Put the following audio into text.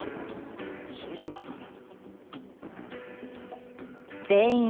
それじゃないかな？